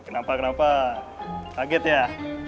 kenapa kenapa kaget ya